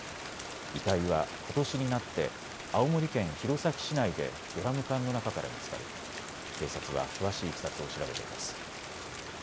遺体はことしになって青森県弘前市内でドラム缶の中から見つかり警察は詳しいいきさつを調べています。